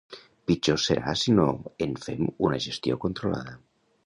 Pitjor serà si no en fem una gestió controlada.